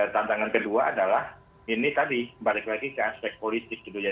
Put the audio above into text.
tantangan kedua adalah ini tadi balik lagi ke aspek politik gitu ya